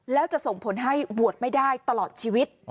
แล้วจะส่งผลให้โหวตไม่ได้ตลอดชีวิต